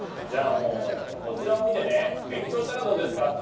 じゃあもうこちらを見てね勉強したらどうですか。